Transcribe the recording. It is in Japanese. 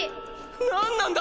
何なんだ